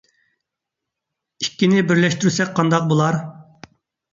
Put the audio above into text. ئىككىنى بىرلەشتۈرسەك قانداق بولار؟